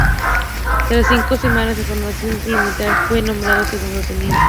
Tras cinco semanas de formación preliminar, fue nombrado segundo teniente.